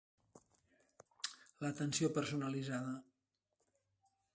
L'atenció personalitzada.